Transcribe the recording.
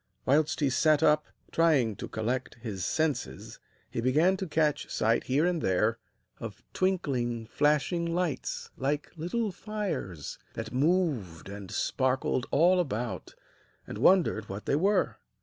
Whilst he sat up, trying to collect his senses, he began to catch sight here and there of twinkling, flashing lights, like little fires, that moved and sparkled all about, and wondered what they were.